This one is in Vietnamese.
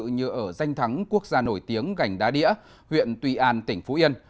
như ở danh thắng quốc gia nổi tiếng gành đá đĩa huyện tuy an tỉnh phú yên